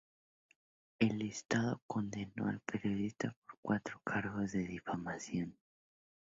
El Estado condenó al periodista por cuatro cargos de difamación.